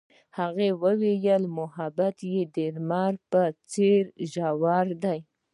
هغې وویل محبت یې د لمر په څېر ژور دی.